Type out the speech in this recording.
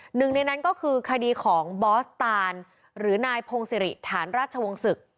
หนึ่งในนั้นก็คือคดีของบอสตานหรือนายพงศิริฐานราชวงศ์ศึก